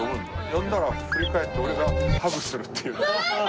呼んだら振り返って俺がハグするっていう。